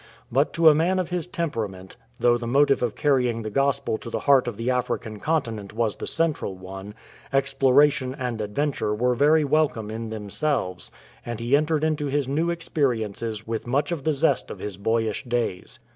But to a man of his temperament, though the motive of carrying the Gospel to the heart of the African continent was the central one, exploration and adventure were very welcome in them selves, and he entered into his new experiences with much of the zest of his boyish days.